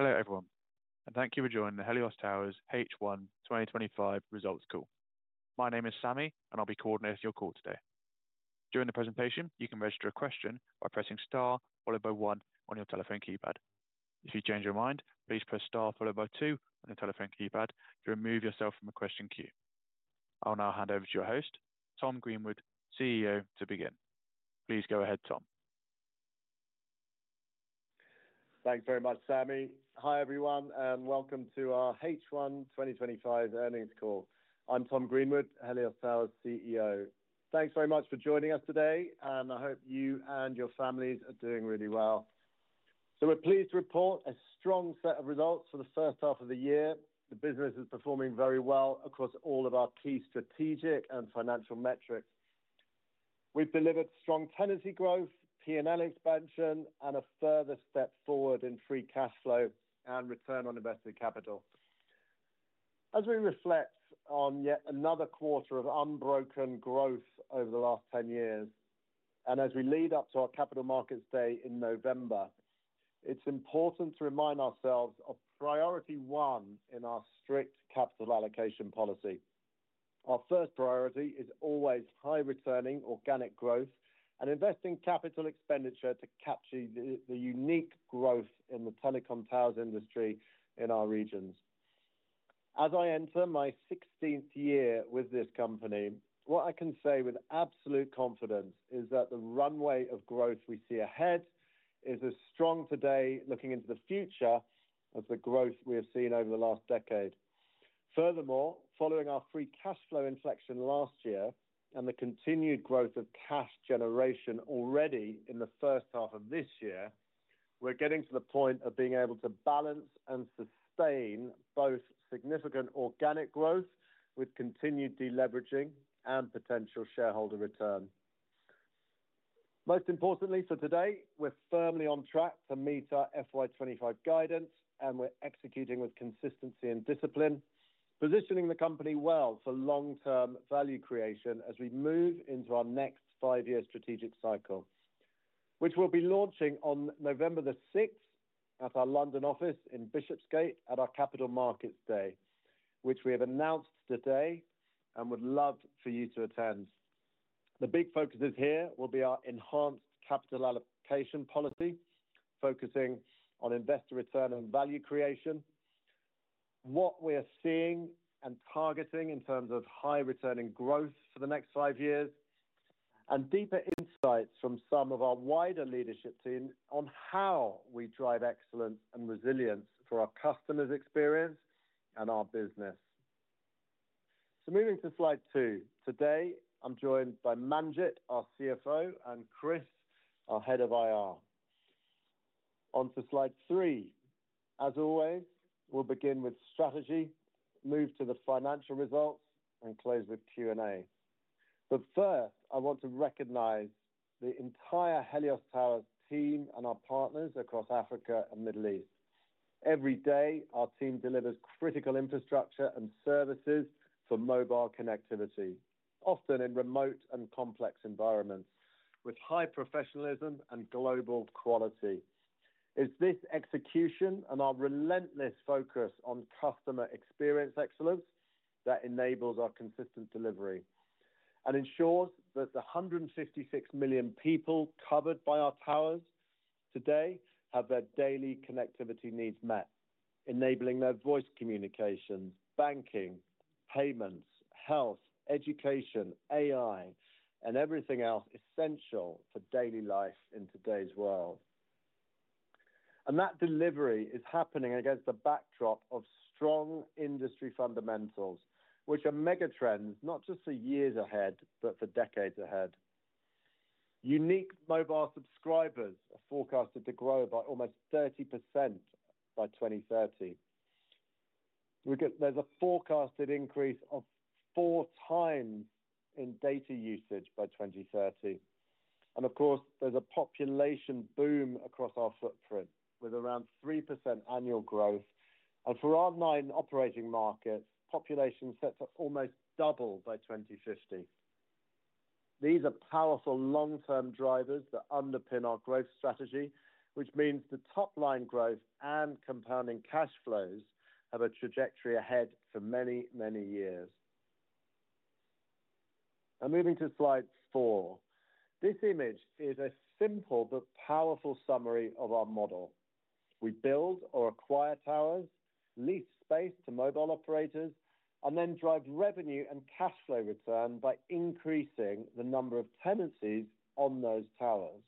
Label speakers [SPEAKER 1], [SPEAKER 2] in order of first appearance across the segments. [SPEAKER 1] Hello everyone, and thank you for joining the Helios Towers H1 2025 results call. My name is Sammy, and I'll be coordinating your call today. During the presentation, you can register a question by pressing star one on your telephone keypad. If you change your mind, please press star two on your telephone keypad to remove yourself from a question queue. I'll now hand over to your host, Tom Greenwood, CEO, to begin. Please go ahead, Tom.
[SPEAKER 2] Thanks very much, Sammy. Hi everyone, and welcome to our H1 2025 earnings call. I'm Tom Greenwood, Helios Towers CEO. Thanks very much for joining us today, and I hope you and your families are doing really well. We're pleased to report a strong set of results for the first half of the year. The business is performing very well across all of our key strategic and financial metrics. We've delivered strong tenancy growth, P&L expansion, and a further step forward in free cash flow and return on invested capital. As we reflect on yet another quarter of unbroken growth over the last 10 years, and as we lead up to our Capital Markets Day in November, it's important to remind ourselves of Priority 1 in our strict capital allocation policy. Our first priority is always high-returning organic growth and investing capital expenditure to capture the unique growth in the telecom towers industry in our regions. As I enter my 16th year with this company, what I can say with absolute confidence is that the runway of growth we see ahead is as strong today looking into the future as the growth we have seen over the last decade. Furthermore, following our free cash flow inflection last year and the continued growth of cash generation already in the first half of this year, we're getting to the point of being able to balance and sustain both significant organic growth with continued deleveraging and potential shareholder return. Most importantly, for today, we're firmly on track to meet our FY 2025 guidance, and we're executing with consistency and discipline, positioning the company well for long-term value creation as we move into our next five-year strategic cycle, which we'll be launching on November 6 at our London office in Bishopsgate at our Capital Markets Day, which we have announced today and would love for you to attend. The big focuses here will be our enhanced capital allocation policy, focusing on investor return and value creation, what we are seeing and targeting in terms of high-returning growth for the next five years, and deeper insights from some of our wider leadership team on how we drive excellence and resilience for our customers' experience and our business. Moving to slide two, today I'm joined by Manjit, our CFO, and Chris, our Head of IR. On to slide three. As always, we'll begin with strategy, move to the financial results, and close with Q&A. First, I want to recognize the entire Helios Towers team and our partners across Africa and the Middle East. Every day, our team delivers critical infrastructure and services for mobile connectivity, often in remote and complex environments, with high professionalism and global quality. It's this execution and our relentless focus on customer experience excellence that enables our consistent delivery and ensures that the 156 million people covered by our towers today have their daily connectivity needs met, enabling their voice communications, banking, payments, health, education, AI, and everything else essential for daily life in today's world. That delivery is happening against the backdrop of strong industry fundamentals, which are megatrends not just for years ahead but for decades ahead. Unique mobile subscribers are forecasted to grow by almost 30% by 2030. There's a forecasted increase of four times in data usage by 2030. Of course, there's a population boom across our footprint with around 3% annual growth. For our nine operating markets, population is set to almost double by 2050. These are powerful long-term drivers that underpin our growth strategy, which means the top-line growth and compounding cash flows have a trajectory ahead for many, many years. Moving to slide four, this image is a simple but powerful summary of our model. We build or acquire towers, lease space to mobile operators, and then drive revenue and cash flow return by increasing the number of tenancies on those towers.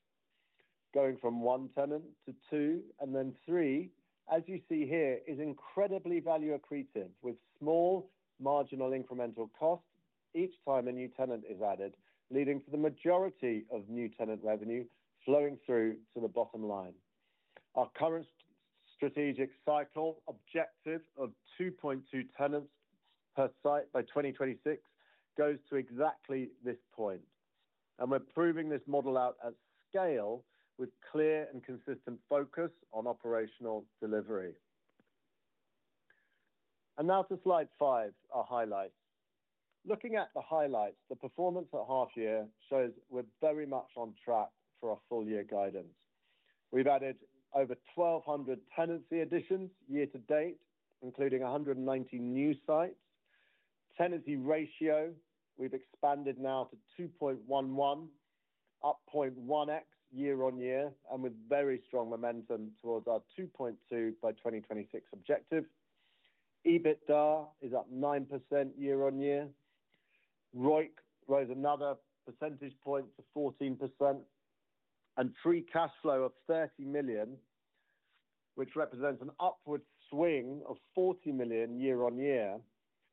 [SPEAKER 2] Going from one tenant to two and then three, as you see here, is incredibly value accretive, with small marginal incremental costs each time a new tenant is added, leading to the majority of new tenant revenue flowing through to the bottom line. Our current strategic cycle objective of 2.2 tenants per site by 2026 goes to exactly this point. We're proving this model out at scale with clear and consistent focus on operational delivery. Now to slide five, our highlights. Looking at the highlights, the performance at half year shows we're very much on track for our full year guidance. We've added over 1,200 tenancy additions year to date, including 190 new sites. Tenancy ratio, we've expanded now to 2.11, up 0.1x year-on-year, and with very strong momentum towards our 2.2 by 2026 objective. EBITDA is up 9% year-on-year. Return on invested capital rose another percentage point to 14%. Free cash flow of $30 million, which represents an upward swing of $40 million year-on-year.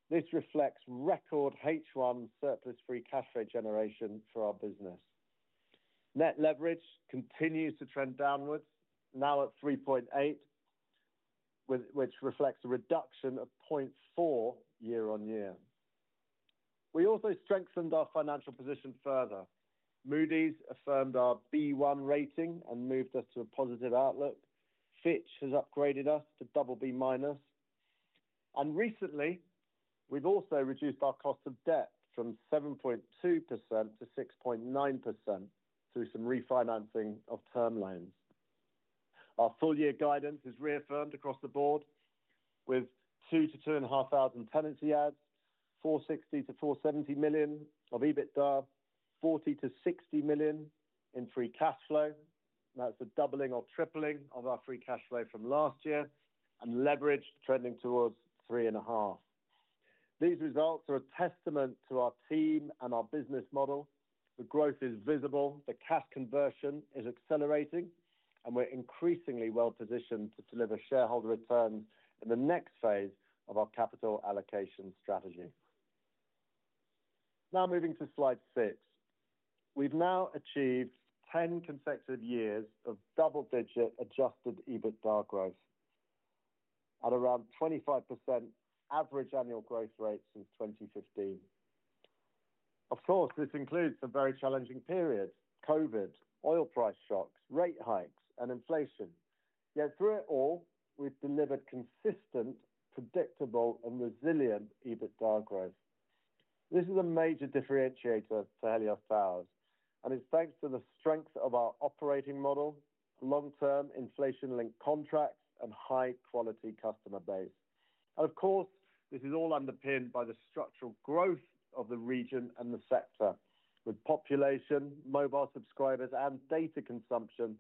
[SPEAKER 2] This reflects record H1 surplus free cash rate generation for our business. Net leverage continues to trend downwards, now at 3.8, which reflects a reduction of 0.4 year-on-year. We also strengthened our financial position further. Moody’s affirmed our B1 rating and moved us to a positive outlook. Fitch has upgraded us to BB-. Recently, we've also reduced our cost of debt from 7.2% to 6.9% through some refinancing of term loans. Our full year guidance is reaffirmed across the board with 2,000-2,500 tenancy adds, $460 milion-$470 million of EBITDA, $40 million-$60 million in free cash flow. That’s a doubling or tripling of our free cash flow from last year, and leverage trending towards 3.5%. These results are a testament to our team and our business model. The growth is visible, the cash conversion is accelerating, and we're increasingly well positioned to deliver shareholder return in the next phase of our capital allocation strategy. Now moving to slide six, we've now achieved 10 consecutive years of double-digit adjusted EBITDA growth at around 25% average annual growth rates since 2015. Of course, this includes a very challenging period: COVID, oil price shocks, rate hikes, and inflation. Yet through it all, we've delivered consistent, predictable, and resilient EBITDA growth. This is a major differentiator for Helios Towers and is thanks to the strength of our operating model, long-term inflation-linked contracts, and high-quality customer base. This is all underpinned by the structural growth of the region and the sector, with population, mobile subscribers, and data consumption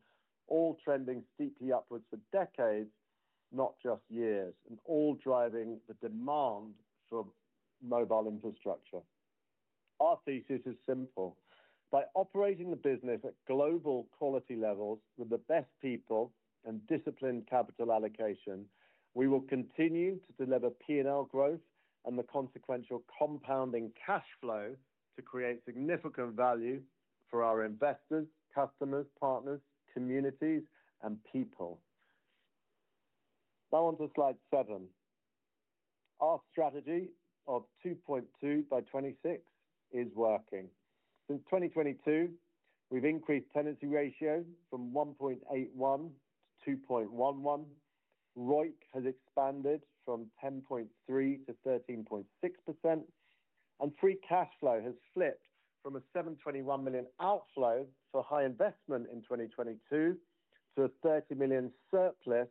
[SPEAKER 2] all trending steeply upwards for decades, not just years, and all driving the demand for mobile infrastructure. Our thesis is simple: by operating the business at global quality levels with the best people and disciplined capital allocation, we will continue to deliver P&L growth and the consequential compounding cash flow to create significant value for our investors, customers, partners, communities, and people. Now on to slide seven. Our strategy of 2.2 by 26 is working. Since 2022, we've increased tenancy ratio from 1.81-2.11. Return on invested capital has expanded from 10.3%-13.6%, and free cash flow has flipped from a $721 million outflow to a high investment in 2022 to a $30 million surplus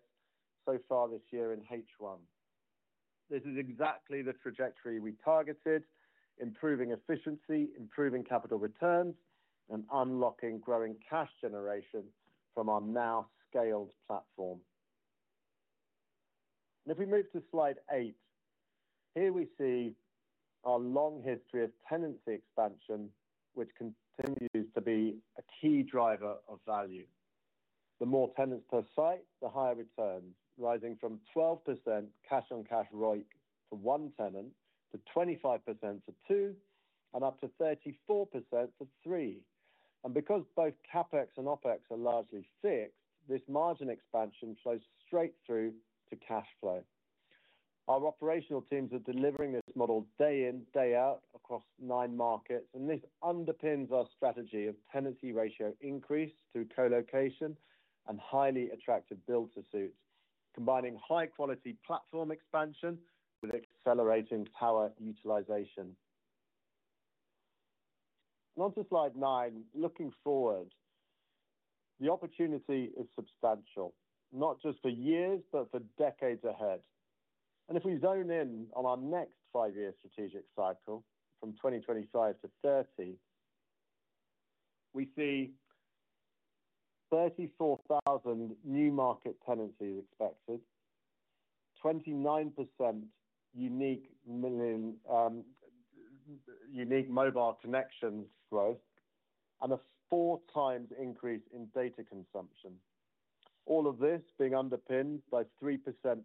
[SPEAKER 2] so far this year in H1. This is exactly the trajectory we targeted, improving efficiency, improving capital returns, and unlocking growing cash generation from our now scaled platform. If we move to slide eight, here we see our long history of tenancy expansion, which continues to be a key driver of value. The more tenants per site, the higher return, rising from 12% cash on cash ROIC for one tenant to 25% for two, and up to 34% for three. Because both CapEx and OpEx are largely fixed, this margin expansion flows straight through to cash flow. Our operational teams are delivering this model day in, day out across nine markets, and this underpins our strategy of tenancy ratio increase through colocation and highly attractive build to suites, combining high-quality platform expansion with accelerating tower utilization. On to slide nine, looking forward, the opportunity is substantial, not just for years, but for decades ahead. If we zone in on our next five-year strategic cycle from 2025-2030, we see 34,000 new market tenancies expected, 29% unique mobile connections growth, and a 4x increase in data consumption. All of this being underpinned by 3%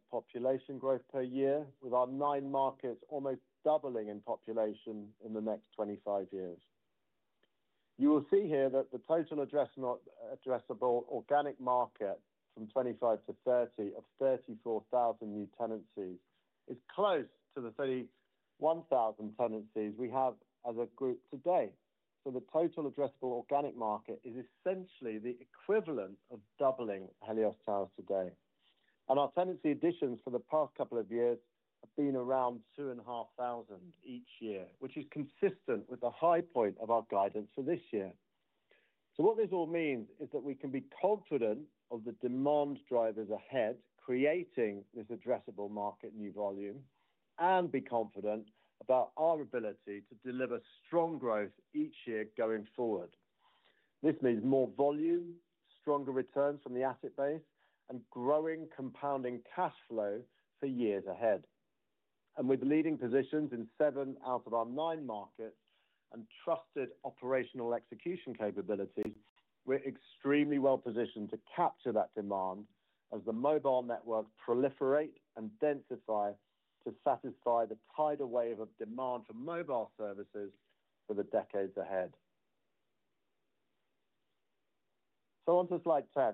[SPEAKER 2] population growth per year, with our nine markets almost doubling in population in the next 25 years. You will see here that the total addressable organic market from 2025-2030 of 34,000 new tenancies is close to the 31,000 tenancies we have as a group today. The total addressable organic market is essentially the equivalent of doubling Helios Towers today. Our tenancy additions for the past couple of years have been around 2,500 each year, which is consistent with the high point of our guidance for this year. What this all means is that we can be confident of the demand drivers ahead creating this addressable market new volume and be confident about our ability to deliver strong growth each year going forward. This means more volume, stronger returns from the asset base, and growing compounding cash flow for years ahead. With leading positions in seven out of our nine markets and trusted operational execution capabilities, we're extremely well positioned to capture that demand as the mobile networks proliferate and densify to satisfy the tighter wave of demand for mobile services for the decades ahead. On to slide 10.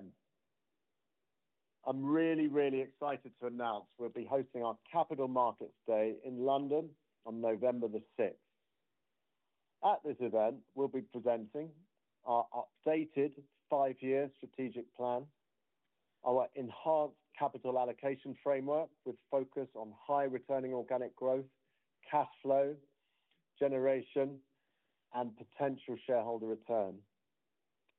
[SPEAKER 2] I'm really, really excited to announce we'll be hosting our Capital Markets Day in London on November 6. At this event, we'll be presenting our updated five-year strategic plan, our enhanced capital allocation framework with focus on high-returning organic growth, cash flow generation, and potential shareholder return.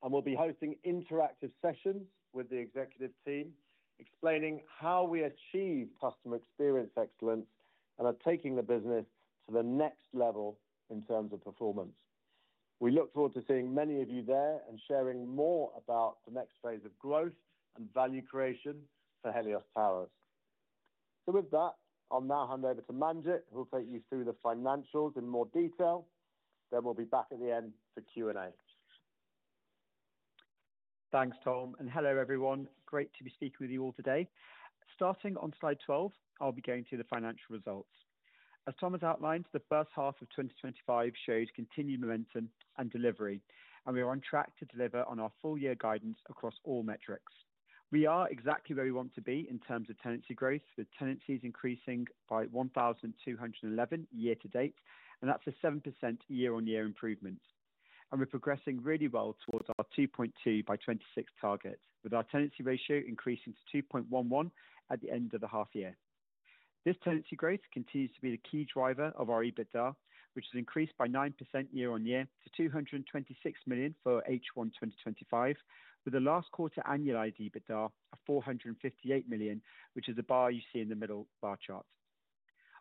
[SPEAKER 2] We'll be hosting interactive sessions with the executive team explaining how we achieve customer experience excellence and are taking the business to the next level in terms of performance. We look forward to seeing many of you there and sharing more about the next phase of growth and value creation for Helios Towers. I'll now hand over to Manjit, who'll take you through the financials in more detail. We'll be back at the end for Q&A.
[SPEAKER 3] Thanks, Tom, and hello everyone. Great to be speaking with you all today. Starting on slide 12, I'll be going through the financial results. As Tom has outlined, the first half of 2025 shows continued momentum and delivery, and we are on track to deliver on our full year guidance across all metrics. We are exactly where we want to be in terms of tenancy growth, with tenancies increasing by 1,211 year to date, and that's a 7% year-on-year improvement. We're progressing really well towards our 2.2 by 26 target, with our tenancy ratio increasing to 2.11 at the end of the half year. This tenancy growth continues to be the key driver of our EBITDA, which has increased by 9% year-on-year to $226 million for H1 2025, with the last quarter annualized EBITDA at $458 million, which is the bar you see in the middle bar chart.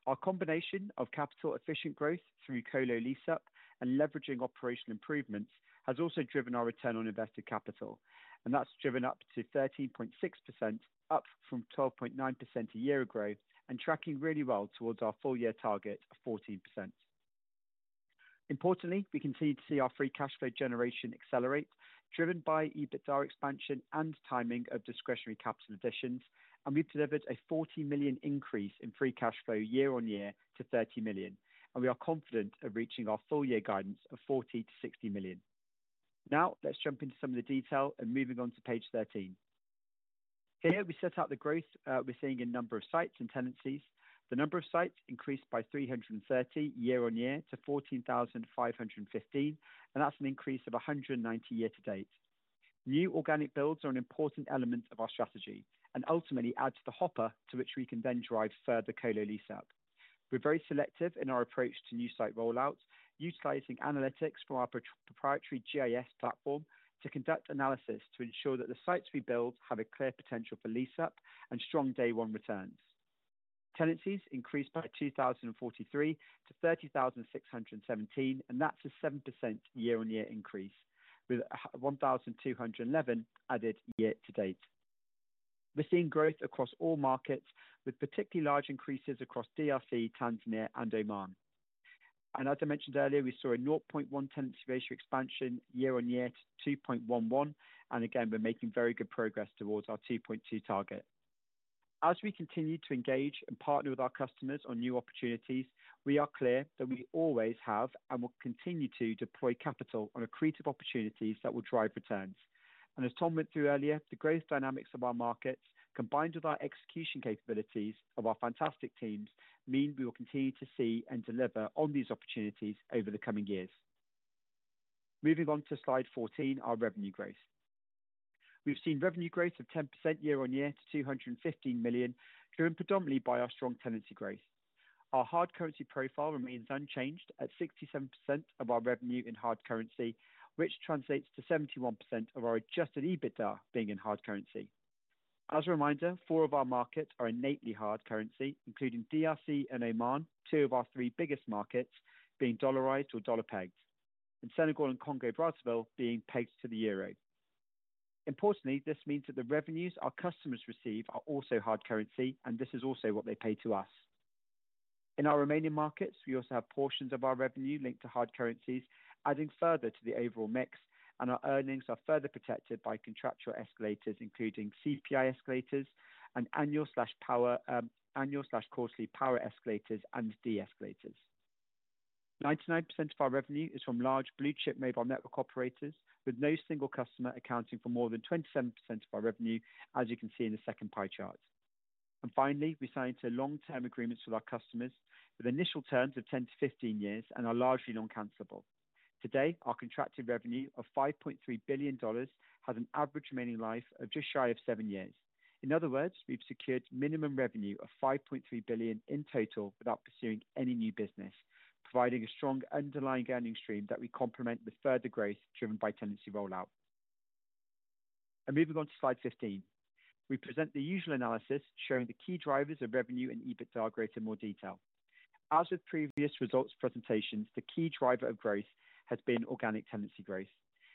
[SPEAKER 3] Our combination of capital efficient growth through colocation lease-up and leveraging operational improvements has also driven our return on invested capital, and that's driven up to 13.6%, up from 12.9% a year ago, and tracking really well towards our full year target of 14%. Importantly, we continue to see our free cash flow generation accelerate, driven by EBITDA expansion and timing of discretionary capital additions, and we've delivered a $40 million increase in free cash flow year-on-year to $30 million. We are confident of reaching our full year guidance of $40 million-$60 million. Now let's jump into some of the detail and moving on to page 13. Here we set out the growth we're seeing in a number of sites and tenancies. The number of sites increased by 330 year-on-year to 14,515, and that's an increase of 190 year to date. New organic builds are an important element of our strategy and ultimately add to the hopper to which we can then drive further colocation lease-up. We're very selective in our approach to new site rollouts, utilizing analytics from our proprietary GIS platform to conduct analysis to ensure that the sites we build have a clear potential for lease-up and strong day-one returns. Tenancies increased by 2,043-30,617, and that's a 7% year-on-year increase, with 1,211 added year to date. We're seeing growth across all markets, with particularly large increases across DRC, Tanzania, and Oman. As I mentioned earlier, we saw a 0.1 tenancy ratio expansion year-on-year to 2.11, and again, we're making very good progress towards our 2.2 target. As we continue to engage and partner with our customers on new opportunities, we are clear that we always have and will continue to deploy capital on accretive opportunities that will drive returns. As Tom went through earlier, the growth dynamics of our markets, combined with our execution capabilities of our fantastic teams, mean we will continue to see and deliver on these opportunities over the coming years. Moving on to slide 14, our revenue growth. We've seen revenue growth of 10% year-on-year to $215 million, driven predominantly by our strong tenancy growth. Our hard currency profile remains unchanged at 67% of our revenue in hard currency, which translates to 71% of our adjusted EBITDA being in hard currency. As a reminder, four of our markets are innately hard currency, including DRC and Oman, two of our three biggest markets being dollarized or dollar pegged, and Senegal and Congo-Brazzaville being pegged to the Euro. Importantly, this means that the revenues our customers receive are also hard currency, and this is also what they pay to us. In our remaining markets, we also have portions of our revenue linked to hard currencies, adding further to the overall mix, and our earnings are further protected by contractual escalators, including CPI escalators and annual/quarterly power escalators and de-escalators. 99% of our revenue is from large blue chip mobile network operators, with no single customer accounting for more than 27% of our revenue, as you can see in the second pie chart. Finally, we sign long-term agreements with our customers with initial terms of 10-15 years and are largely non-cancelable. Today, our contracted revenue of $5.3 billion has an average remaining life of just shy of seven years. In other words, we've secured minimum revenue of $5.3 billion in total without pursuing any new business, providing a strong underlying earning stream that we complement with further growth driven by tenancy rollout. Moving on to slide 15, we present the usual analysis showing the key drivers of revenue and EBITDA growth in more detail. As with previous results presentations, the key driver of growth has been organic tenancy growth.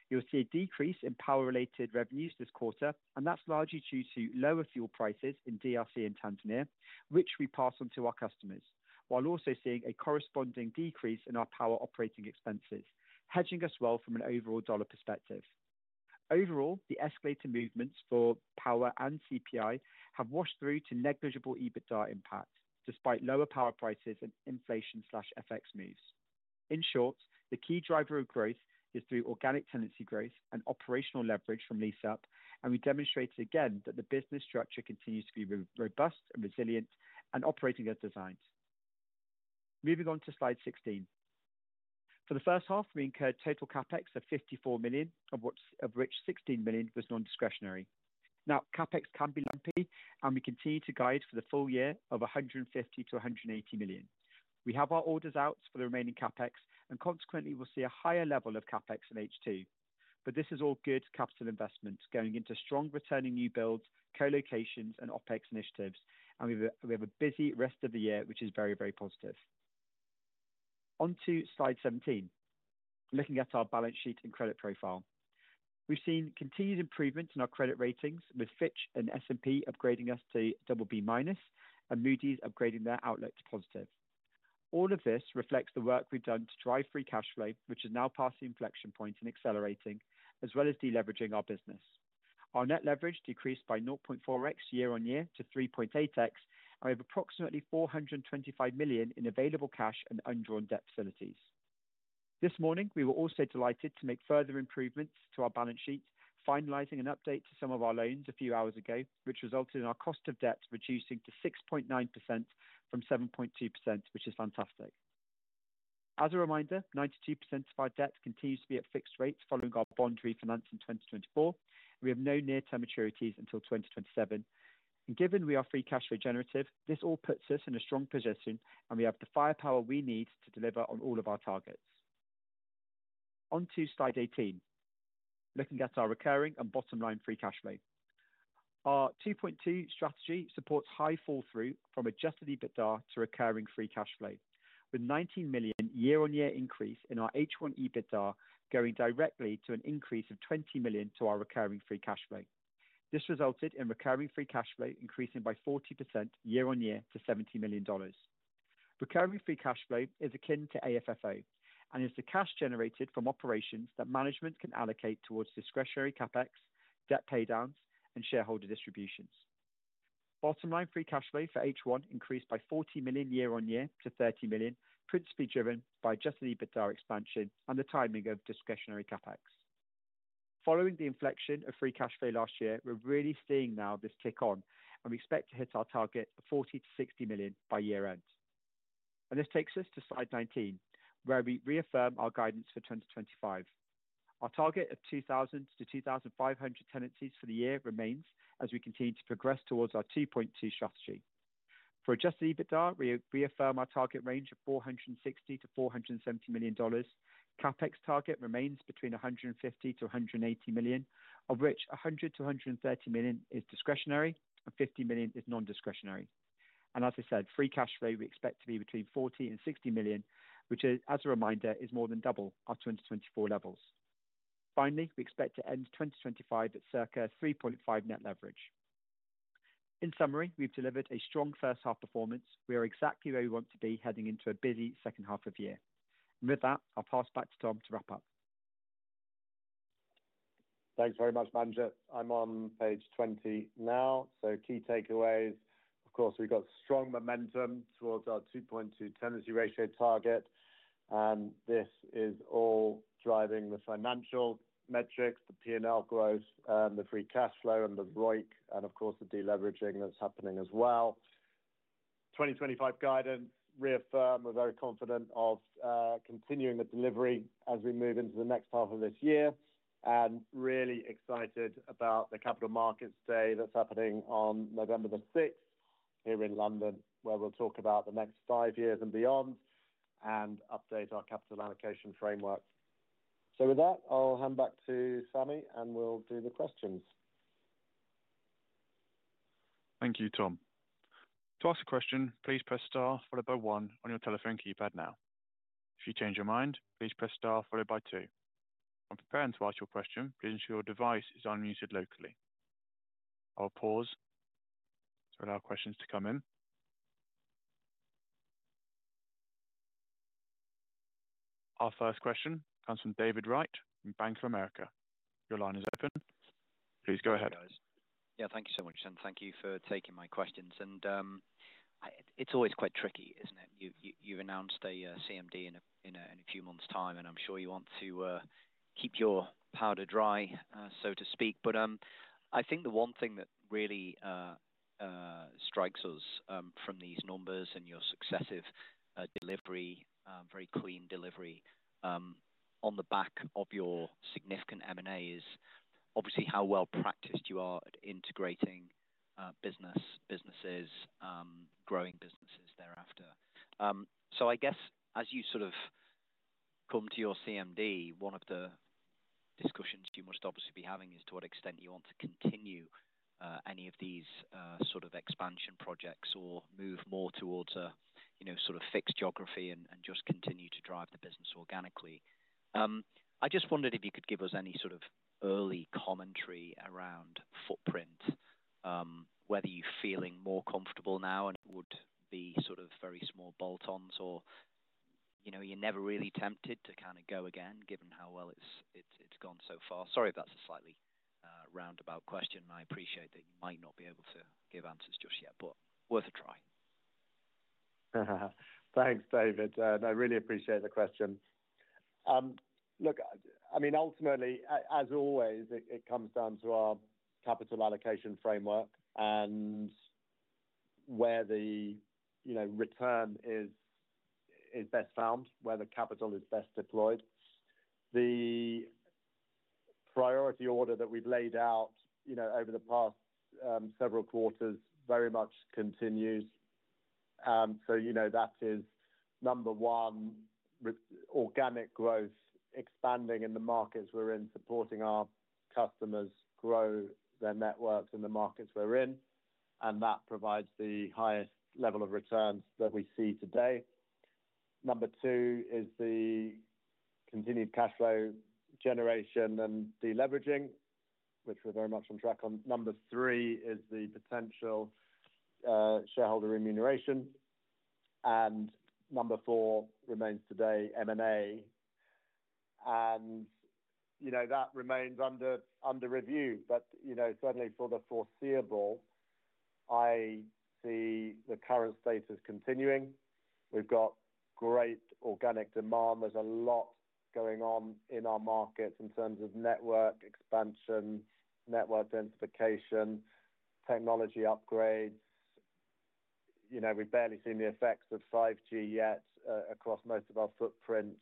[SPEAKER 3] You'll see a decrease in power-related revenues this quarter, and that's largely due to lower fuel prices in DRC and Tanzania, which we pass on to our customers, while also seeing a corresponding decrease in our power operating expenses, hedging us well from an overall dollar perspective. Overall, the escalator movements for power and CPI have washed through to negligible EBITDA impact, despite lower power prices and inflation/FX moves. In short, the key driver of growth is through organic tenancy growth and operational leverage from lease-up, and we demonstrated again that the business structure continues to be robust and resilient and operating as designed. Moving on to slide 16. For the first half, we incurred total CapEx of $54 million, of which $16 million was non-discretionary. Now, CapEx can be lumpy, and we continue to guide for the full year of $150 million-$180 million. We have our orders out for the remaining CapEx, and consequently, we'll see a higher level of CapEx in H2. This is all good capital investments going into strong returning new builds, colocations, and OpEx initiatives, and we have a busy rest of the year, which is very, very positive. On to slide 17, looking at our balance sheet and credit profile. We've seen continued improvement in our credit ratings, with Fitch and S&P upgrading us to BB-, and Moody’s upgrading their outlook to positive. All of this reflects the work we've done to drive free cash flow, which is now past the inflection point and accelerating, as well as deleveraging our business. Our net leverage decreased by 0.4x year-on-year to 3.8x, and we have approximately $425 million in available cash and undrawn debt facilities. This morning, we were also delighted to make further improvements to our balance sheet, finalizing an update to some of our loans a few hours ago, which resulted in our cost of debt reducing to 6.9% from 7.2%, which is fantastic. As a reminder, 92% of our debt continues to be at fixed rates following our bond refinance in 2024, and we have no near-term maturities until 2027. Given we are free cash flow generative, this all puts us in a strong position, and we have the firepower we need to deliver on all of our targets. On to slide 18, looking at our recurring and bottom line free cash flow. Our 2.2 strategy supports high fall-through from adjusted EBITDA to recurring free cash flow, with $19 million year-on-year increase in our H1 EBITDA going directly to an increase of $20 million to our recurring free cash flow. This resulted in recurring free cash flow increasing by 40% year-on-year to $70 million. Recurring free cash flow is akin to AFFO, and it's the cash generated from operations that management can allocate towards discretionary CapEx, debt paydowns, and shareholder distributions. Bottom line free cash flow for H1 increased by $40 million year on year to $30 million, principally driven by adjusted EBITDA expansion and the timing of discretionary CapEx. Following the inflection of free cash flow last year, we're really seeing now this tick on, and we expect to hit our target of $40 million-$60 million by year end. This takes us to slide 19, where we reaffirm our guidance for 2025. Our target of 2,000-2,500 tenancies for the year remains as we continue to progress towards our 2.2 strategy. For adjusted EBITDA, we reaffirm our target range of $460 million-$470 million. CapEx target remains between $150 million-$180 million, of which $100 million-$130 million is discretionary and $50 million is non-discretionary. As I said, free cash flow we expect to be between $40 million-$60 million, which, as a reminder, is more than double our 2024 levels. Finally, we expect to end 2025 at circa 3.5 net leverage. In summary, we've delivered a strong first half performance. We are exactly where we want to be heading into a busy second half of year. With that, I'll pass back to Tom to wrap up.
[SPEAKER 2] Thanks very much, Manjit. I'm on page 20 now. Key takeaways, of course, we've got strong momentum towards our 2.2 tenancy ratio target, and this is all driving the financial metrics, the P&L growth, the free cash flow, and the return on invested capital, and of course the deleveraging that's happening as well. 2025 guidance reaffirmed. We're very confident of continuing the delivery as we move into the next half of this year, and really excited about the Capital Markets Day that's happening on November 6 here in London, where we'll talk about the next five years and beyond and update our capital allocation framework. With that, I'll hand back to Sammy, and we'll do the questions.
[SPEAKER 1] Thank you, Tom. To ask a question, please press star one on your telephone keypad now. If you change your mind, please press star two. When preparing to ask your question, please ensure your device is unmuted locally. I'll pause for our questions to come in. Our first question comes from David Wright from Bank of America. Your line is open. Please go ahead.
[SPEAKER 4] Yeah, thank you so much, and thank you for taking my questions. It's always quite tricky, isn't it? You've announced a CMD in a few months' time, and I'm sure you want to keep your powder dry, so to speak. I think the one thing that really strikes us from these numbers and your successive delivery, very clean delivery on the back of your significant M&A, is obviously how well practiced you are at integrating businesses, growing businesses thereafter. I guess as you sort of come to your CMD, one of the discussions you must obviously be having is to what extent you want to continue any of these sort of expansion projects or move more towards a sort of fixed geography and just continue to drive the business organically. I just wondered if you could give us any sort of early commentary around footprint, whether you're feeling more comfortable now and would be sort of very small bolt-ons or you know you're never really tempted to kind of go again given how well it's gone so far. Sorry if that's a slightly roundabout question, and I appreciate that you might not be able to give answers just yet, but worth a try.
[SPEAKER 2] Thanks, David. I really appreciate the question. Ultimately, as always, it comes down to our capital allocation framework and where the return is best found, where the capital is best deployed. The priority order that we've laid out over the past several quarters very much continues. That is number one, organic growth expanding in the markets we're in, supporting our customers grow their networks in the markets we're in, and that provides the highest level of returns that we see today. Number two is the continued cash flow generation and deleveraging, which we're very much on track on. Number three is the potential shareholder remuneration, and number four remains today M&A, and that remains under review. Certainly for the foreseeable, I see the current status continuing. We've got great organic demand. There's a lot going on in our markets in terms of network expansion, network densification, technology upgrades. We've barely seen the effects of 5G yet across most of our footprint,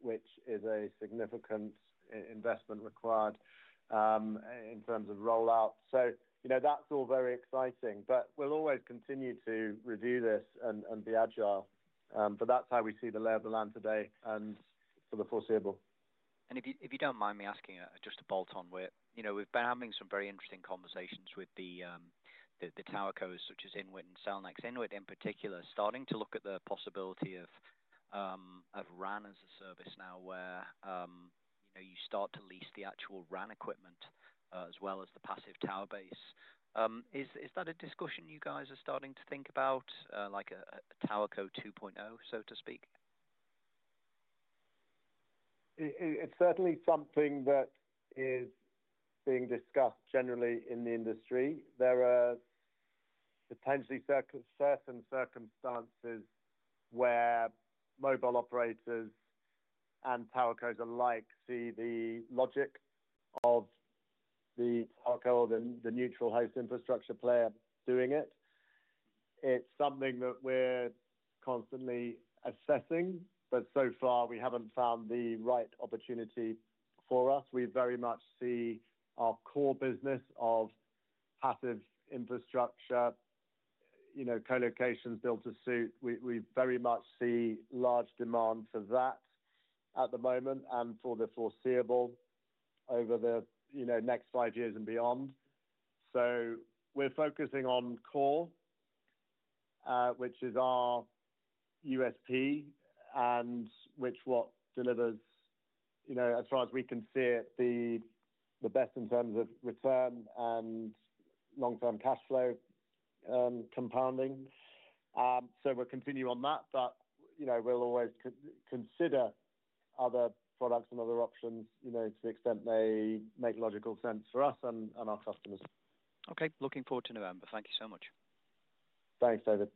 [SPEAKER 2] which is a significant investment required in terms of rollout. That's all very exciting, but we'll always continue to review this and be agile. That's how we see the lay of the land today and for the foreseeable.
[SPEAKER 4] If you don't mind me asking, just a bolt-on, we've been having some very interesting conversations with the towercos such as INWIT and Cellnex. INWIT in particular is starting to look at the possibility of RAN as a service now where you start to lease the actual RAN equipment as well as the passive tower base. Is that a discussion you guys are starting to think about, like a towerco 2.0, so to speak?
[SPEAKER 2] It's certainly something that is being discussed generally in the industry. There are potentially certain circumstances where mobile operators and towercos alike see the logic of the towerco and the neutral host infrastructure player doing it. It's something that we're constantly assessing, but so far we haven't found the right opportunity for us. We very much see our core business of passive infrastructure, you know, colocation services, build to suit. We very much see large demand for that at the moment and for the foreseeable over the next five years and beyond. We are focusing on core, which is our USP and which, as far as we can see it, delivers the best in terms of return and long-term cash flow compounding. We'll continue on that, but we'll always consider other products and other options to the extent they make logical sense for us and our customers.
[SPEAKER 4] Okay, looking forward to November. Thank you so much.
[SPEAKER 2] Thanks, David.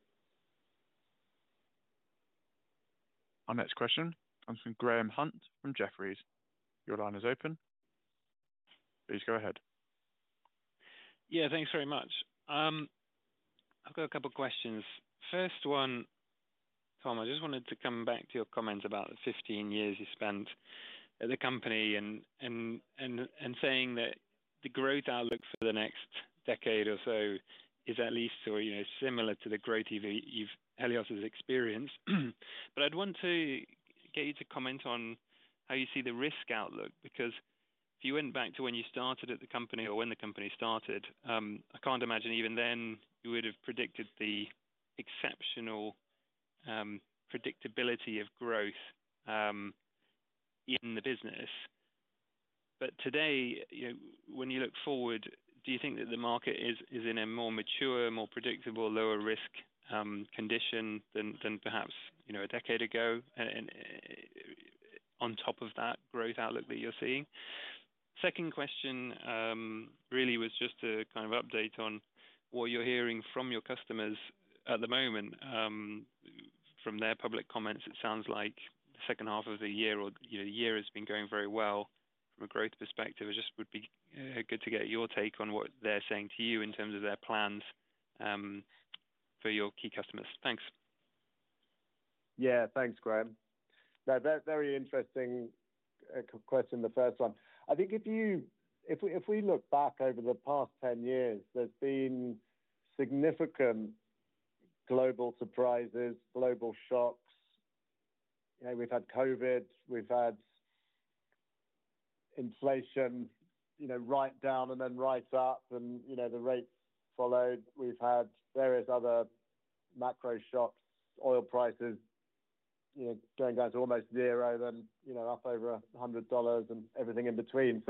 [SPEAKER 1] Our next question comes from Graham Hunt from Jefferies. Your line is open. Please go ahead.
[SPEAKER 5] Yeah, thanks very much. I've got a couple of questions. First one, Tom, I just wanted to come back to your comments about the 15 years you spent at the company and saying that the growth outlook for the next decade or so is at least, or, you know, similar to the growth Helios Towers has experienced. I'd want to get you to comment on how you see the risk outlook because if you went back to when you started at the company or when the company started, I can't imagine even then you would have predicted the exceptional predictability of growth in the business. Today, when you look forward, do you think that the market is in a more mature, more predictable, lower risk condition than perhaps, you know, a decade ago on top of that growth outlook that you're seeing? Second question really was just to kind of update on what you're hearing from your customers at the moment. From their public comments, it sounds like the second half of the year or the year has been going very well from a growth perspective. It just would be good to get your take on what they're saying to you in terms of their plans for your key customers. Thanks.
[SPEAKER 2] Yeah, thanks, Graham. That's a very interesting question. The first one, I think if you, if we look back over the past 10 years, there's been significant global surprises, global shocks. We've had COVID, we've had inflation, right down and then right up, and the rate followed. We've had various other macro-shocks, oil prices going down to almost zero and up over $100 and everything in between.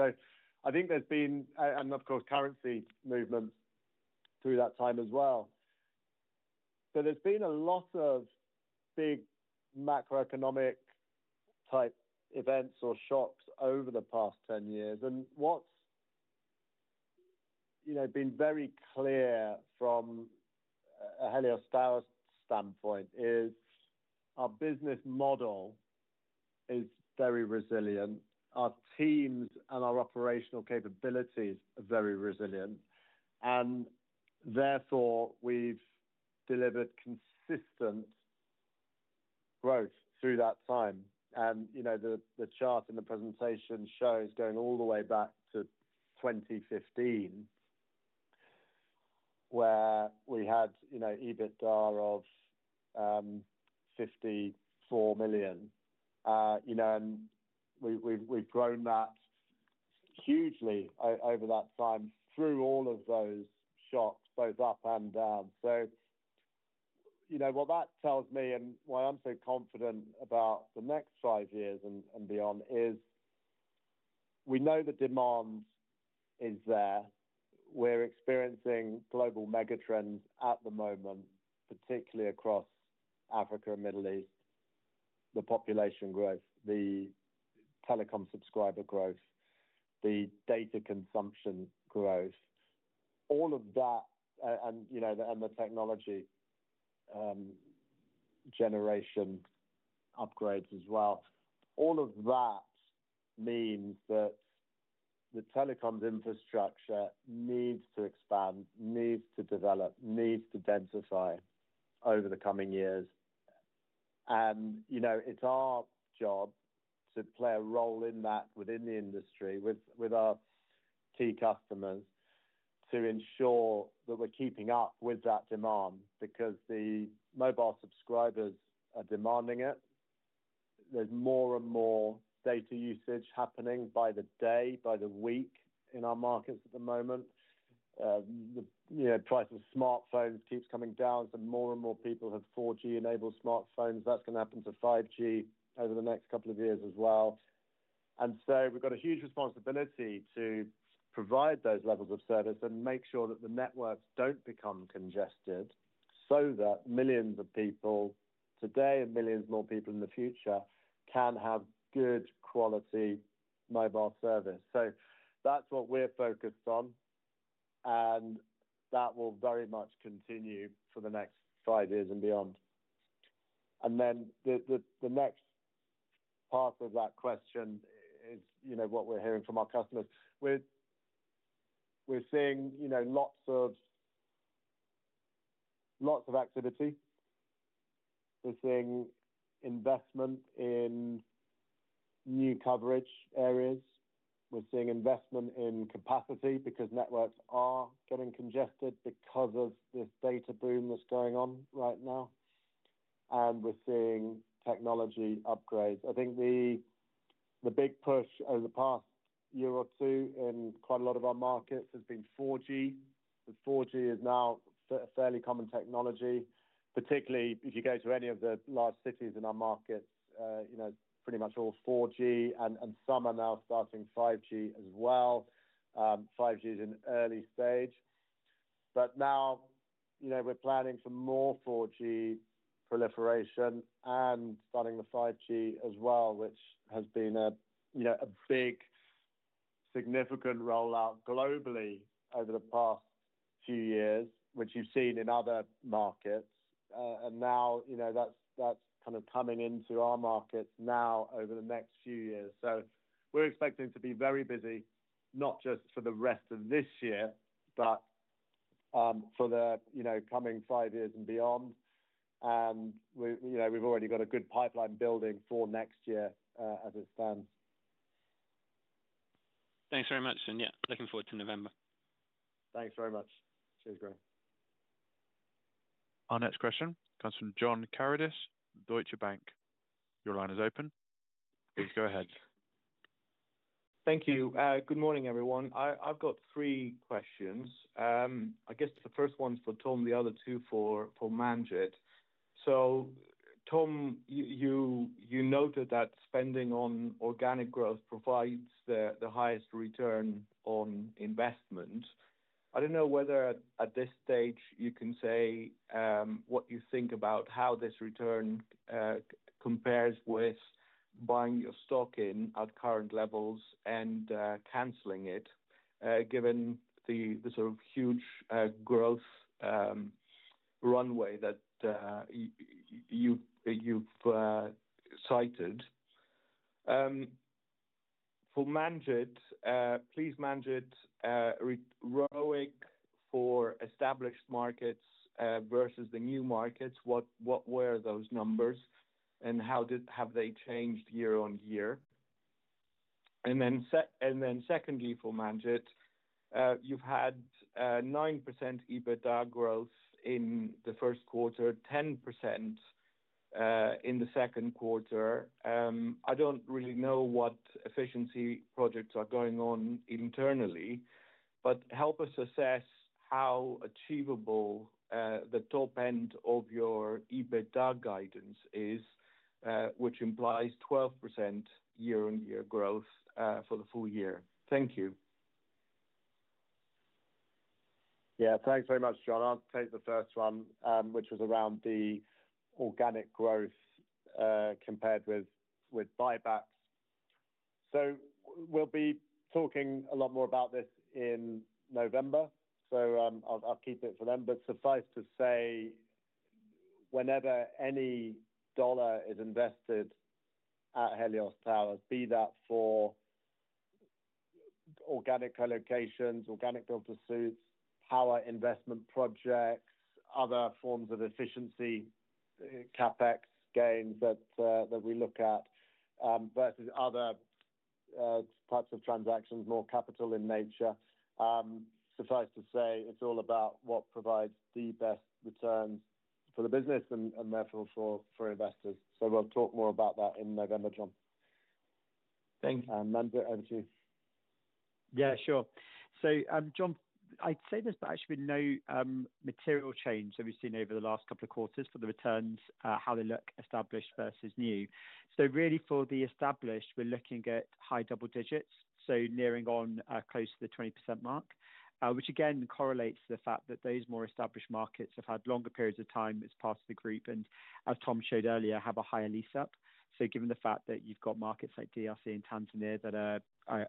[SPEAKER 2] I think there's been, and of course, currency movements through that time as well. There's been a lot of big macro-economic type events or shocks over the past 10 years. What's been very clear from a Helios Towers standpoint is our business model is very resilient. Our teams and our operational capabilities are very resilient. Therefore, we've delivered consistent growth through that time. The chart in the presentation shows going all the way back to 2015 where we had EBITDA of $54 million. We've grown that hugely over that time through all of those shocks, both up and down. What that tells me and why I'm so confident about the next five years and beyond is we know the demand is there. We're experiencing global megatrends at the moment, particularly across Africa and the Middle East. The population growth, the telecom subscriber growth, the data consumption growth, all of that, and the technology generation upgrades as well. All of that means that the telecoms infrastructure needs to expand, needs to develop, needs to densify over the coming years. It's our job to play a role in that within the industry with our key customers to ensure that we're keeping up with that demand because the mobile subscribers are demanding it. There's more and more data usage happening by the day, by the week in our markets at the moment. The price of smartphones keeps coming down, so more and more people have 4G-enabled smartphones. That's going to happen to 5G over the next couple of years as well. We've got a huge responsibility to provide those levels of service and make sure that the networks don't become congested so that millions of people today and millions more people in the future can have good quality mobile service. That's what we're focused on, and that will very much continue for the next five years and beyond. The next part of that question is what we're hearing from our customers. We're seeing lots of activity. We're seeing investment in new coverage areas. We're seeing investment in capacity because networks are getting congested because of this data boom that's going on right now. We're seeing technology upgrades. I think the big push over the past year or two in quite a lot of our markets has been 4G. 4G is now a fairly common technology, particularly if you go to any of the large cities in our market, you know, pretty much all 4G, and some are now starting 5G as well. 5G is in early stage. Now, we're planning for more 4G proliferation and starting the 5G as well, which has been a big, significant rollout globally over the past few years, which you've seen in other markets. Now, that's kind of coming into our market over the next few years. We're expecting to be very busy, not just for the rest of this year, but for the coming five years and beyond. We've already got a good pipeline building for next year as it stands.
[SPEAKER 5] Thanks very much. Yeah, looking forward to November.
[SPEAKER 2] Thanks very much. Cheers, Graham.
[SPEAKER 1] Our next question comes from John Karidis, Deutsche Bank. Your line is open. Please go ahead.
[SPEAKER 6] Thank you. Good morning, everyone. I've got three questions. I guess the first one's for Tom, the other two for Manjit. Tom, you noted that spending on organic growth provides the highest return on investment. I don't know whether at this stage you can say what you think about how this return compares with buying your stock in at current levels and canceling it, given the sort of huge growth runway that you've cited. For Manjit, ROIC for established markets versus the new markets, what were those numbers and how have they changed year on year? Secondly, for Manjit, you've had 9% EBITDA growth in the first quarter, 10% in the second quarter. I don't really know what efficiency projects are going on internally, but help us assess how achievable the top end of your EBITDA guidance is, which implies 12% year-on-year growth for the full year. Thank you.
[SPEAKER 2] Yeah, thanks very much, John. I'll take the first one, which was around the organic growth compared with buybacks. We’ll be talking a lot more about this in November, so I'll keep it for then. Suffice to say, whenever any dollar is invested at Helios Towers, be that for organic colocations, organic build-to-suites, power investment projects, other forms of efficiency, CapEx gains that we look at versus other types of transactions, more capital in nature, it's all about what provides the best returns for the business and therefore for investors. We'll talk more about that in November, John.
[SPEAKER 6] Thanks.
[SPEAKER 2] Manjit, over to you.
[SPEAKER 3] Yeah, sure. So John, I'd say there's actually been no material change that we've seen over the last couple of quarters for the returns, how they look established versus new. Really, for the established, we're looking at high double-digits, so nearing on close to the 20% mark, which again correlates to the fact that those more established markets have had longer periods of time as part of the group and, as Tom showed earlier, have a higher lease-up. Given the fact that you've got markets like DRC and Tanzania that are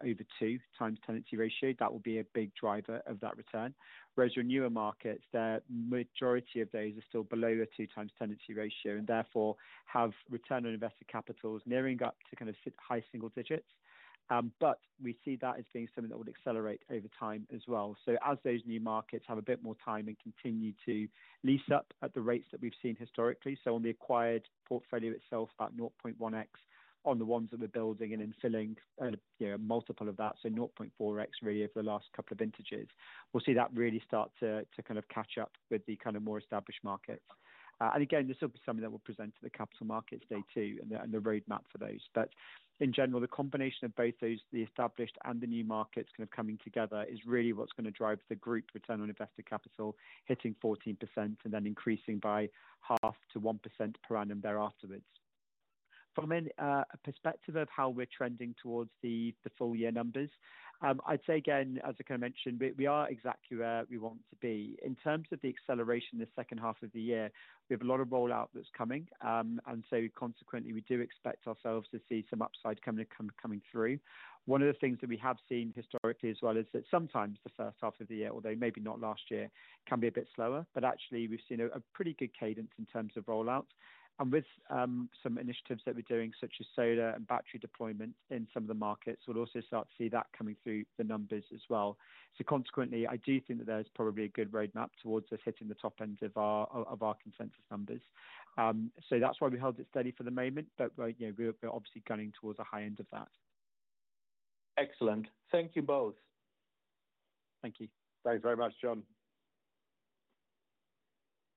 [SPEAKER 3] over two times tenancy ratio, that will be a big driver of that return. Whereas your newer markets, the majority of those are still below a 2x tenancy ratio and therefore have return on invested capitals nearing up to kind of high single-digits. We see that as being something that will accelerate over time as well. As those new markets have a bit more time and continue to lease up at the rates that we've seen historically, on the acquired portfolio itself, about 0.1x on the ones that we're building and then filling a multiple of that, so 0.4x really over the last couple of vintages, we'll see that really start to kind of catch up with the kind of more established markets. This will be something that we'll present to the Capital Markets Day too and the roadmap for those. In general, the combination of both those, the established and the new markets kind of coming together, is really what's going to drive the group return on invested capital hitting 14% and then increasing by half to 1% per annum thereafter.
[SPEAKER 7] From a perspective of how we're trending towards the full year numbers, I'd say again, as I kind of mentioned, we are exactly where we want to be. In terms of the acceleration in the second half of the year, we have a lot of rollout that's coming, and consequently, we do expect ourselves to see some upside coming through. One of the things that we have seen historically as well is that sometimes the first half of the year, although maybe not last year, can be a bit slower, but actually, we've seen a pretty good cadence in terms of rollout. With some initiatives that we're doing, such as solar and battery deployment in some of the markets, we'll also start to see that coming through the numbers as well. Consequently, I do think that there's probably a good roadmap towards us hitting the top end of our consensus numbers. That's why we hold it steady for the moment, but we're obviously going towards the high end of that.
[SPEAKER 6] Excellent. Thank you both.
[SPEAKER 7] Thank you.
[SPEAKER 2] Thanks very much, John.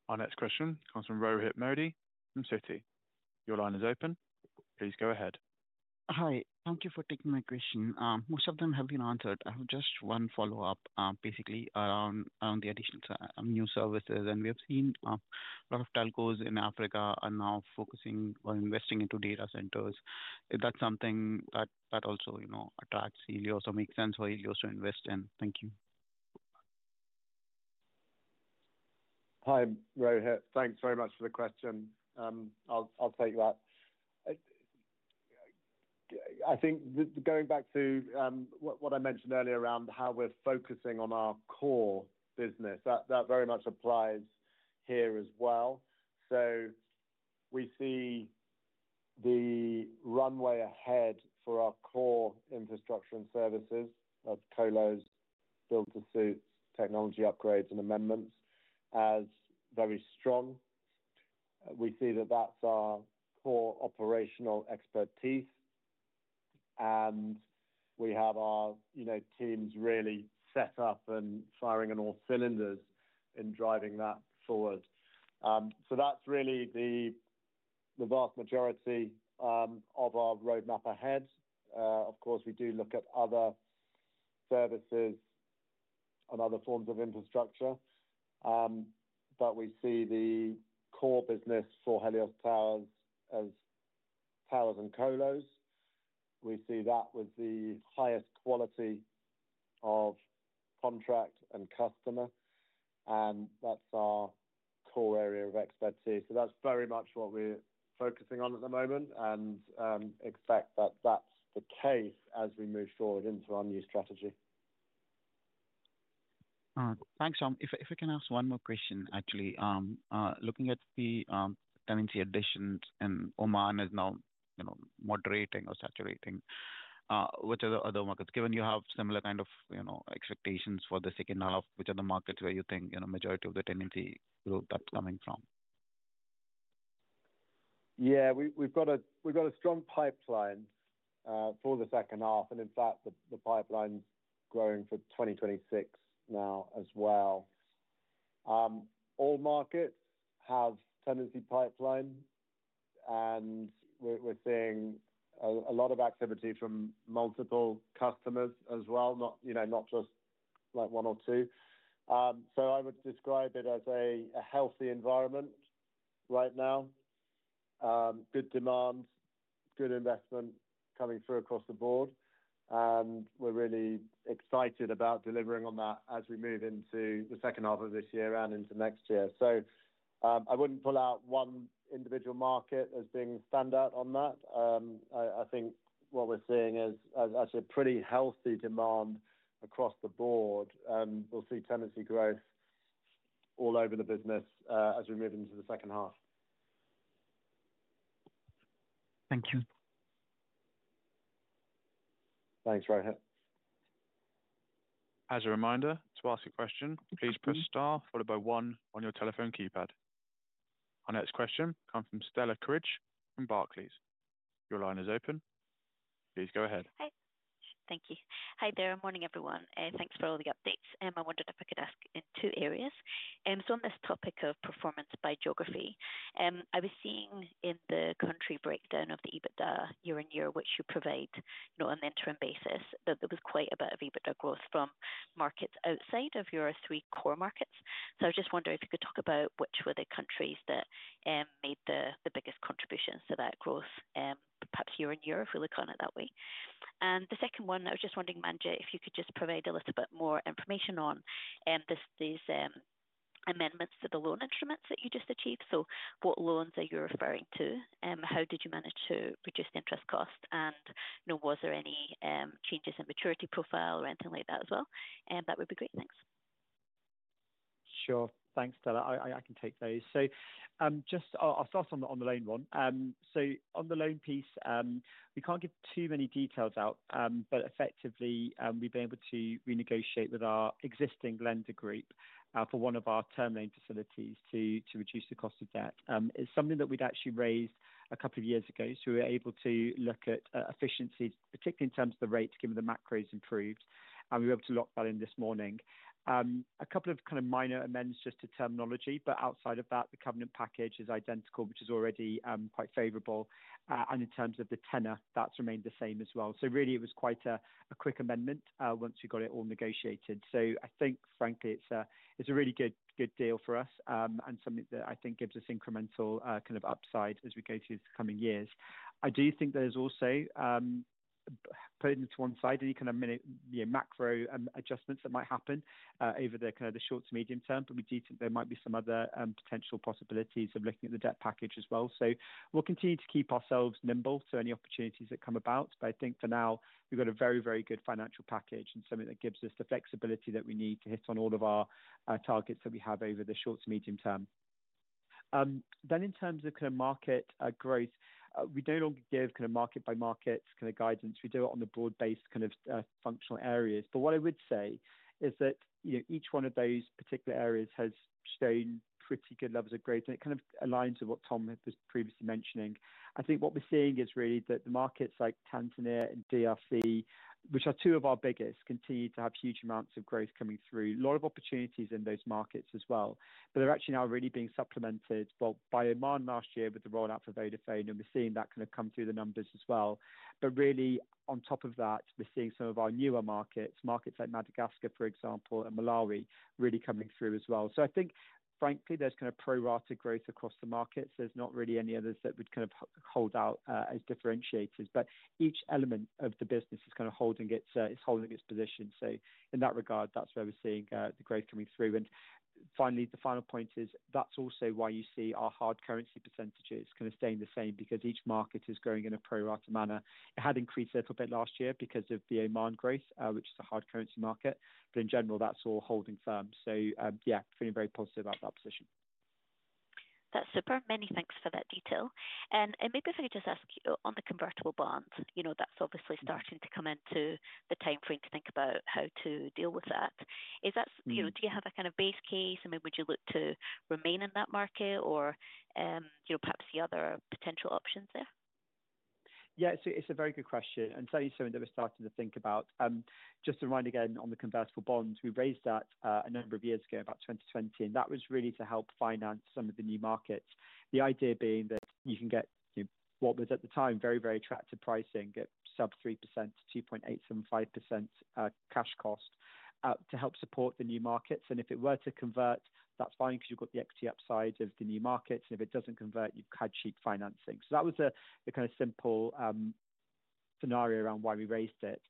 [SPEAKER 1] Our next question comes from Rohit Modi from Citi. Your line is open. Please go ahead.
[SPEAKER 8] Hi, thank you for taking my question. Most of them have been answered. I have just one follow-up, basically around the addition of new services. We have seen a lot of telcos in Africa are now focusing on investing into data centers. Is that something that also, you know, attracts Helios or makes sense for Helios to invest in? Thank you.
[SPEAKER 2] Hi, Rohit. Thanks very much for the question. I'll take that. I think going back to what I mentioned earlier around how we're focusing on our core business, that very much applies here as well. We see the runway ahead for our core infrastructure and services of colocation services, build-to-suites, technology upgrades, and amendments as very strong. We see that that's our core operational expertise, and we have our teams really set up and firing on all cylinders in driving that forward. That's really the vast majority of our roadmap ahead. Of course, we do look at other services and other forms of infrastructure, but we see the core business for Helios Towers as towers and colocation services. We see that with the highest quality of contract and customer, and that's our core area of expertise. That's very much what we're focusing on at the moment and expect that that's the case as we move forward into our new strategy.
[SPEAKER 8] Thanks, John. If I can ask one more question, actually, looking at the tenancy additions and Oman is now, you know, moderating or saturating with other markets, given you have similar kind of, you know, expectations for the second half, which are the markets where you think the majority of the tenancy growth that's coming from.
[SPEAKER 2] Yeah, we've got a strong pipeline for the second half, and in fact, the pipeline is growing for 2026 now as well. All markets have a tenancy pipeline, and we're seeing a lot of activity from multiple customers as well, not just like one or two. I would describe it as a healthy environment right now, good demand, good investment coming through across the board, and we're really excited about delivering on that as we move into the second half of this year and into next year. I wouldn't pull out one individual market as being a standout on that. I think what we're seeing is actually a pretty healthy demand across the board, and we'll see tenancy growth all over the business as we move into the second half.
[SPEAKER 8] Thank you.
[SPEAKER 2] Thanks, Rohit.
[SPEAKER 1] As a reminder, to ask a question, please press star one on your telephone keypad. Our next question comes from Stella Cridge from Barclays. Your line is open. Please go ahead.
[SPEAKER 9] Hi, thank you. Hi there. Morning, everyone, and thanks for all the updates. I wanted to pick a desk in two areas. On this topic of performance by geography, I was seeing in the country breakdown of the EBITDA year-on-year, which you provide not on an interim basis, that there was quite a bit of EBITDA growth from markets outside of your three core markets. I was just wondering if you could talk about which were the countries that made the biggest contributions to that growth, perhaps year-on-year, if we look on it that way. The second one, I was just wondering, Manjit, if you could just provide a little bit more information on these amendments to the loan instruments that you just achieved. What loans are you referring to? How did you manage to reduce the interest cost? Was there any changes in maturity profile or anything like that as well? That would be great, thanks.
[SPEAKER 3] Sure, thanks, Stella. I can take those. I'll start on the loan one. On the loan piece, we can't give too many details out, but effectively, we've been able to renegotiate with our existing lender group for one of our term loan facilities to reduce the cost of debt. It's something that we'd actually raised a couple of years ago, so we were able to look at efficiencies, particularly in terms of the rate, given the macro's improved. We were able to lock that in this morning. A couple of minor amendments just to terminology, but outside of that, the covenant package is identical, which is already quite favorable. In terms of the tenor, that's remained the same as well. It was quite a quick amendment once we got it all negotiated. I think, frankly, it's a really good deal for us and something that I think gives us incremental upside as we go through the coming years. I do think there's also, putting it to one side, any macro adjustments that might happen over the short to medium term, but we do think there might be some other potential possibilities of looking at the debt package as well. We'll continue to keep ourselves nimble to any opportunities that come about, but I think for now, we've got a very, very good financial package and something that gives us the flexibility that we need to hit on all of our targets that we have over the short to medium term. In terms of market growth, we no longer give market-by-market guidance. We do it on the broad-based functional areas. What I would say is that each one of those particular areas has shown pretty good levels of growth, and it aligns with what Tom was previously mentioning. I think what we're seeing is really that the markets like Tanzania and DRC, which are two of our biggest, continue to have huge amounts of growth coming through, a lot of opportunities in those markets as well. They're actually now really being supplemented by Oman last year with the rollout for Vodafone, and we're seeing that come through the numbers as well. On top of that, we're seeing some of our newer markets, markets like Madagascar, for example, and Malawi, really coming through as well. I think, frankly, there's pro-rata growth across the markets. There are not really any others that would kind of hold out as differentiators, but each element of the business is kind of holding its position. In that regard, that's where we're seeing the growth coming through. Finally, the final point is that's also why you see our hard currency percentage kind of staying the same because each market is growing in a pro-rata manner. It had increased a little bit last year because of the Oman growth, which is a hard currency market. In general, that's all holding firm. Yeah, feeling very positive about that position.
[SPEAKER 9] That's super. Many thanks for that detail. Maybe if I could just ask you on the convertible bonds, you know, that's obviously starting to come into the timeframe to think about how to deal with that. Is that, you know, do you have a kind of base case? I mean, would you look to remain in that market or, you know, perhaps the other potential options there?
[SPEAKER 3] Yeah, it's a very good question. It's something that we're starting to think about. Just to remind again on the convertible bonds, we raised that a number of years ago, about 2020, and that was really to help finance some of the new markets. The idea being that you can get what was at the time very, very attractive pricing, get sub 3% to 2.875% cash cost to help support the new markets. If it were to convert, that's fine because you've got the equity upside of the new markets. If it doesn't convert, you've had cheap financing. That was a kind of simple scenario around why we raised it.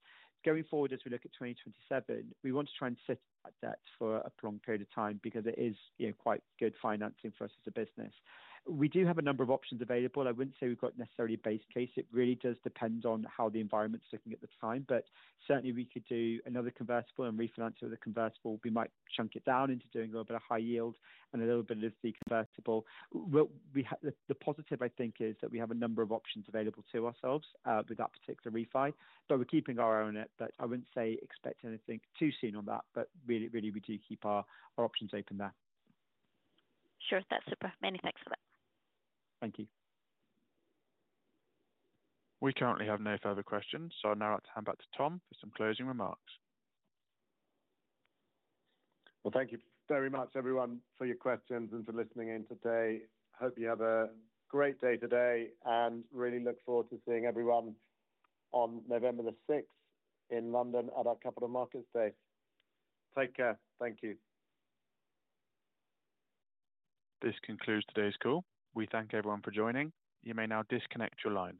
[SPEAKER 3] Going forward, as we look at 2027, we want to try and sit at that debt for a prolonged period of time because it is quite good financing for us as a business. We do have a number of options available. I wouldn't say we've got necessarily a base case. It really does depend on how the environment's looking at the time. Certainly, we could do another convertible and refinance it with a convertible. We might chunk it down into doing a little bit of high yield and a little bit of the convertible. The positive, I think, is that we have a number of options available to ourselves with that particular refi, but we're keeping our eye on it. I wouldn't say expect anything too soon on that, but really, really, we do keep our options open there.
[SPEAKER 9] Sure, that's super. Many thanks for that.
[SPEAKER 3] Thank you.
[SPEAKER 1] We currently have no further questions, so I'd now like to hand back to Tom for some closing remarks.
[SPEAKER 2] Thank you very much, everyone, for your questions and for listening in today. Hope you have a great day today and really look forward to seeing everyone on November 6 in London at our Capital Markets Day. Take care. Thank you.
[SPEAKER 1] This concludes today's call. We thank everyone for joining. You may now disconnect your lines.